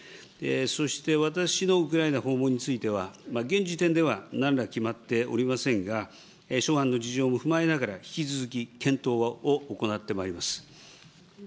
そして私のウクライナ訪問については、現時点ではなんら決まっておりませんが、諸案の事情も踏まえながら、引き続き検討を行ってまいります。